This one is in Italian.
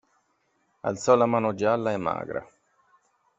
Alzò la mano gialla e magra.